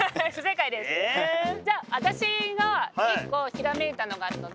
じゃあ私が１個ひらめいたのがあるので。